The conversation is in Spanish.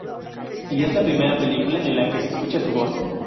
Y es la primera película en la que se escucha su voz.